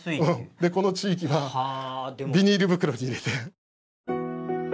この地域はビニール袋に入れて。